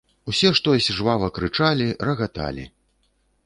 Усе штось жвава крычалі, рагаталі.